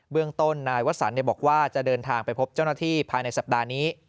เรื่องต้นนายวสันบอกว่าจะเดินทางไปพบเจ้าหน้าที่ภายในสัปดาห์นี้